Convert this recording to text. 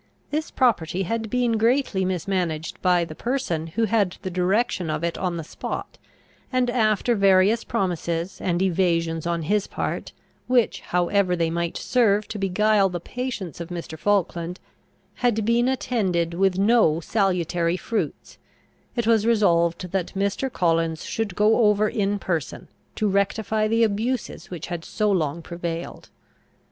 This property had been greatly mismanaged by the person who had the direction of it on the spot; and, after various promises and evasions on his part, which, however they might serve to beguile the patience of Mr. Falkland, had been attended with no salutary fruits, it was resolved that Mr. Collins should go over in person, to rectify the abuses which had so long prevailed.